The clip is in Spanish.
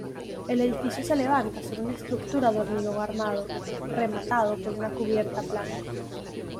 El edificio se levanta sobre una estructura de hormigón armado, rematado por cubierta plana.